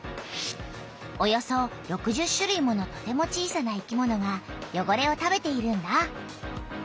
およそ６０種類ものとても小さな生きものがよごれを食べているんだ。